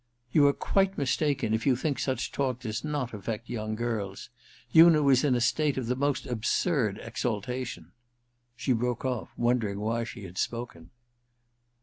* You are quite mistaken if you think such talk does not afFect young girls. Una was in a state of the most al^urd exaltation ' She broke ofF, wondering why she had spoken.